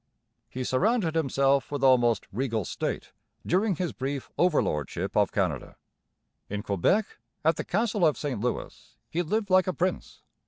He surrounded himself with almost regal state during his brief overlordship of Canada. In Quebec, at the Castle of St Louis, he lived like a prince.